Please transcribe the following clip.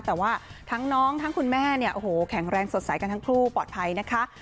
แต่ว่าทั้งน้องทั้งคุณแม่เนี่ยโอ้โหแข็งแรงสดใสกันทั้งคู่ปลอดภัยนะคะ